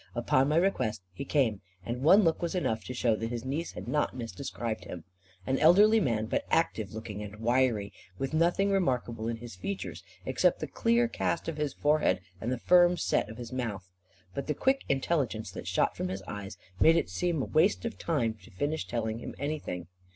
Upon my request he came, and one look was enough to show that his niece had not misdescribed him. An elderly man, but active looking and wiry, with nothing remarkable in his features, except the clear cast of his forehead and the firm set of his mouth. But the quick intelligence that shot from his eyes made it seem waste of time to finish telling him anything.